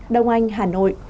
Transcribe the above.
đông anh hà nội